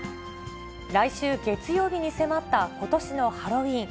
来週月曜日に迫ったことしのハロウィーン。